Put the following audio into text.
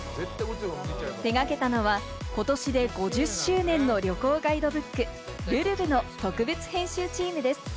手がけたのは、ことしで５０周年の旅行ガイドブック『るるぶ』の特別編集チームです。